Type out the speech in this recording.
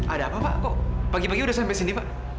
ada apa pak kok pagi pagi sudah sampai sini pak